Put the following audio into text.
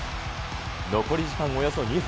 残り時間およそ２分。